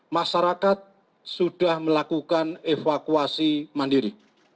masyarakat sudah melakukan evakuasi mandiri